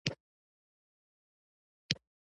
په یو ساعت کې کمپوز، ریکارډ او مکس مکملېږي.